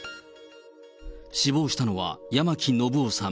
死亡したのは、八巻信雄さん。